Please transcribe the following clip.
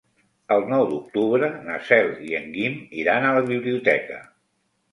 El nou d'octubre na Cel i en Guim iran a la biblioteca.